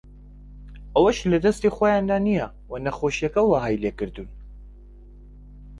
ئەوەش لەدەستی خۆیاندا نییە و نەخۆشییەکە وەهای لێکردوون